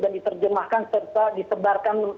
dan diterjemahkan serta disebarkan